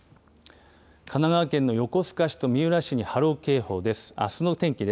神奈川県の横須賀市と三浦市に波浪警報です。